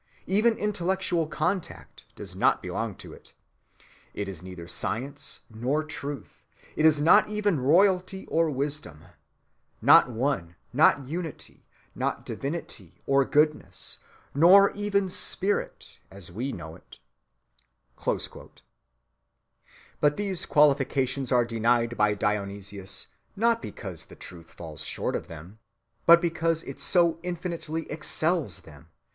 Even intellectual contact does not belong to it. It is neither science nor truth. It is not even royalty or wisdom; not one; not unity; not divinity or goodness; nor even spirit as we know it," etc., ad libitum.(262) But these qualifications are denied by Dionysius, not because the truth falls short of them, but because it so infinitely excels them.